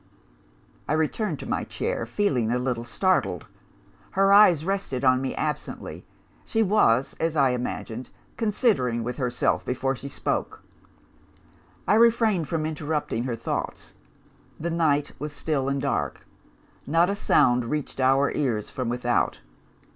"I returned to my chair, feeling a little startled. Her eyes rested on me absently she was, as I imagined, considering with herself, before she spoke. I refrained from interrupting her thoughts. The night was still and dark. Not a sound reached our ears from without.